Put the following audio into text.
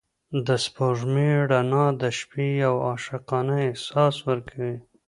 د سپوږمۍ رڼا د شپې یو عاشقانه احساس ورکوي.